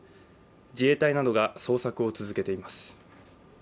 自衛隊などが捜索を続けています。